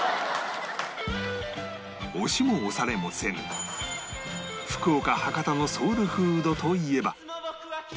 押しも押されもせぬ福岡博多のソウルフードといえば